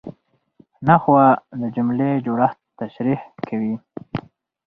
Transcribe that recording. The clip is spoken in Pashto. نحوه د جملې جوړښت تشریح کوي.